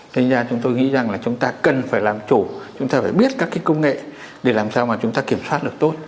thế ra chúng tôi nghĩ rằng là chúng ta cần phải làm chủ chúng ta phải biết các cái công nghệ để làm sao mà chúng ta kiểm soát được tốt